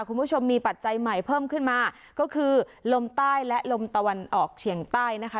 คุณผู้ชมมีปัจจัยใหม่เพิ่มขึ้นมาก็คือลมใต้และลมตะวันออกเฉียงใต้นะคะ